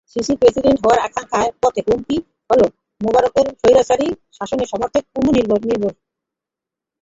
সিসির প্রেসিডেন্ট হওয়ার আকাঙ্ক্ষার পথে হুমকি হলো মোবারকের স্বৈরাচারী শাসনের সমর্থকদের পুনরাবির্ভাব।